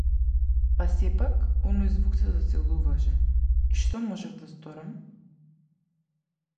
Па сепак, оној звук се засилуваше - и што можев да сторам?